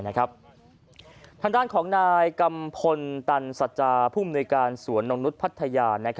ทางด้านของนายกัมพลตันสัจจาผู้มนุยการสวนนกนุษย์พัทยา